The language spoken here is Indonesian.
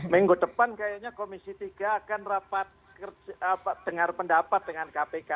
minggu depan kayaknya komisi tiga akan rapat dengar pendapat dengan kpk